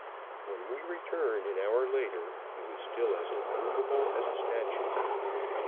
When we returned an hour later, he was still as immovable as a statue.